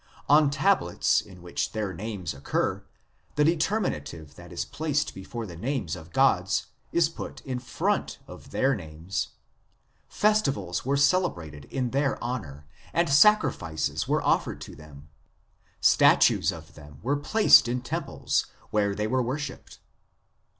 On tablets in which their names occur the determinative that is placed before the names of gods is put in front of their names. Festivals were cele brated in their honour, and sacrifices were offered to them ; statues of them were placed in temples, where they were worshipped.